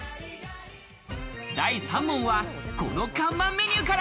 第３問は、この看板メニューから。